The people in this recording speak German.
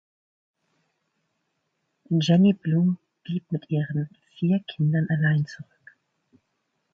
Jenny Blum blieb mit ihren vier Kindern allein zurück.